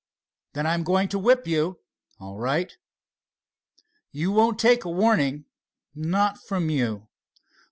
"Then I'm going to whip you." "All right." "You won't take a warning." "Not from you."